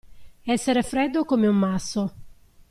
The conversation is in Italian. Essere freddo come un masso.